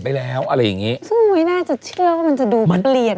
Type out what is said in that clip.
บอกว่าเขาผิดสังเกตแล้ว